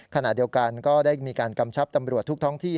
ขณะเดียวกันก็ได้มีการกำชับตำรวจทุกท้องที่